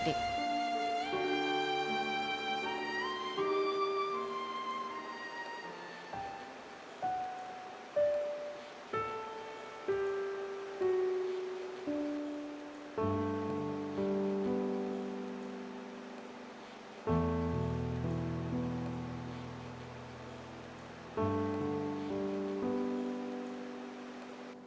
อันดับสุดท้ายก็จะมีมากกว่า